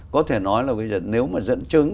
có thể nói là nếu mà dẫn chứng